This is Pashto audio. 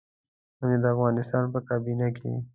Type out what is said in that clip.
هم يې د افغانستان په کابينه کې.